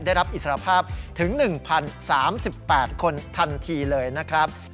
ได้รับอิสรภาพถึง๑๐๓๘คนทันทีเลยนะครับ